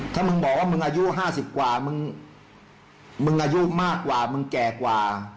ถ้ามึงบอกว่ามึงอายุ๕๐กว่ามึงมึงอายุมากกว่ามึงแก่กว่า